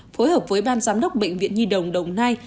phối hợp với ban giám đốc bệnh viện nhi đồng đồng nai